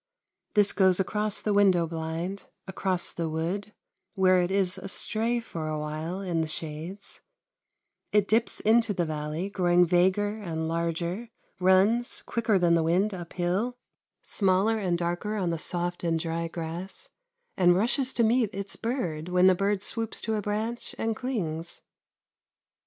This goes across the window blind, across the wood, where it is astray for a while in the shades; it dips into the valley, growing vaguer and larger, runs, quicker than the wind, uphill, smaller and darker on the soft and dry grass, and rushes to meet its bird when the bird swoops to a branch and clings.